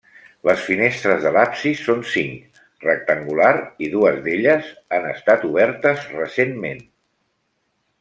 Les finestres de l'absis són cinc, rectangulars i dues d'elles han estat obertes recentment.